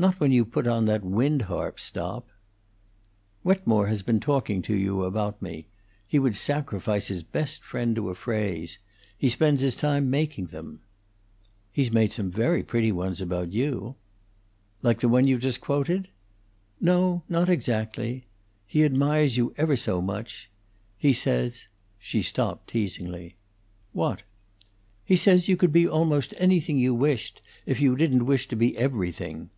"Not when you put on that wind harp stop." "Wetmore has been talking to you about me. He would sacrifice his best friend to a phrase. He spends his time making them." "He's made some very pretty ones about you." "Like the one you just quoted?" "No, not exactly. He admires you ever so much. He says" She stopped, teasingly. "What?" "He says you could be almost anything you wished, if you didn't wish to be everything."